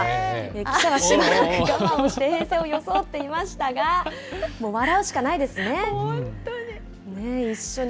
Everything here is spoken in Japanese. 記者はしばらく我慢をして平静を装っていましたが、もう笑うしか本当に。